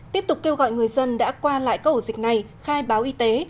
tiếp tục kêu gọi người dân đã qua lại các ổ dịch này khai báo y tế